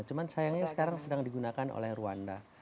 cuma sayangnya sekarang sedang digunakan oleh rwanda